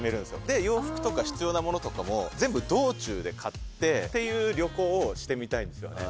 で洋服とか必要なものとかも全部道中で買ってっていう旅行をしてみたいんですよね。